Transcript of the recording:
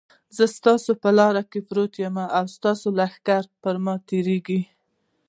زه ستا په لاره کې پروت یم او ستا لښکرې پر ما تېرېږي.